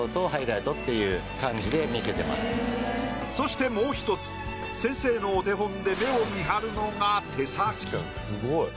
そしてもう１つ先生のお手本で目を見張るのが手先。